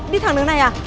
đi thẳng đường này à